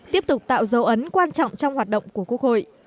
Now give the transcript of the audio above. tiếp tục tạo dấu ấn quan trọng trong hoạt động của quốc hội